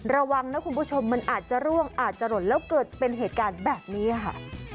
ระวังนะคุณผู้ชมมันอาจจะร่วงอาจจะหล่นแล้วเกิดเป็นเหตุการณ์แบบนี้ค่ะ